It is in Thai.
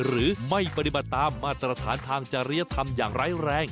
หรือไม่ปฏิบัติตามมาตรฐานทางจริยธรรมอย่างไร้แรง